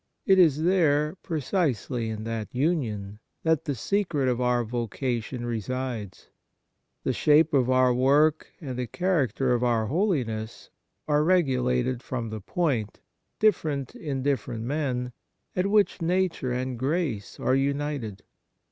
It is there, precisely in that union, that the secret of our vocation resides. The shape of our w^ork and the character of our holiness are regulated from the point, different in different men, at which nature and grace are united.